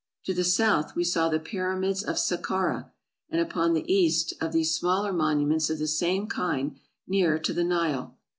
To the south we saw the Pyramids of Saccara ; and upon the east of these, smaller monuments of the same kind near to the Nile.